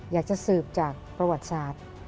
อยากจะสืบจากประวัติศาสตร์